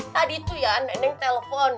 tadi tuh ya nenek telepon